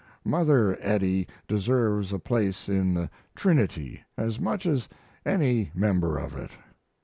Mother Eddy deserves a place in the Trinity as much as any member of it.